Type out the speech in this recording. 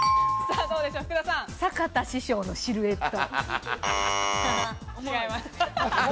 坂田師匠のシルエット。